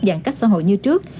giãn cách xã hội như trước